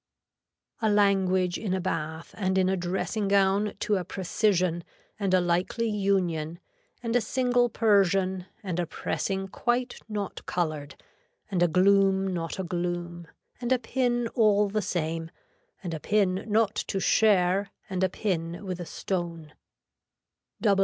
A language in a bath and in a dressing gown to a precision and a likely union and a single persian and a pressing quite not colored and a gloom not a gloom, and a pin all the same, and a pin not to share and a pin with a stone.